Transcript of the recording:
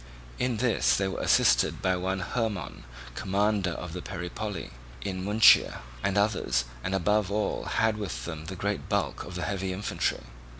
In this they were assisted by one Hermon, commander of the Peripoli in Munychia, and others, and above all had with them the great bulk of the heavy infantry.